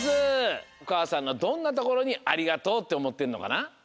おかあさんのどんなところにありがとうっておもってんのかな？